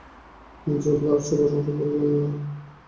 যেই ব্লাউজটার প্রশংসা করলে না?